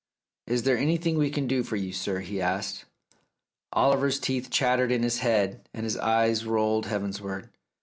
"Is there anything we can do for you, sir?" he asked. Oliver's teeth chattered in his head, and his eyes rolled heavenwards.